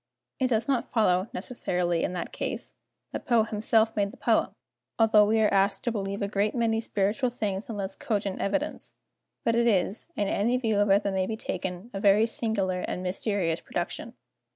It does not follow, necessarily, in that case, that Poe himself made the poem, although we are asked to believe a great many spiritual things on less cogent evidence, but it is, in any view of it that may be taken, a very singular and mysterious production.